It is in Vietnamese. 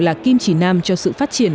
là kim chỉ nam cho sự phát triển